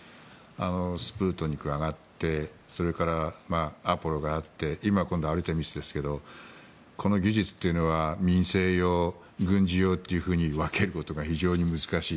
スプートニクが上がってそして、アプロがあって今、今度アルテミスですけどこの技術というのは民生用、軍事用というふうに分けることが非常に難しい。